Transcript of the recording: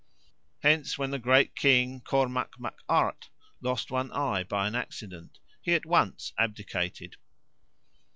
Hence, when the great King Cormac Mac Art lost one eye by an accident, he at once abdicated.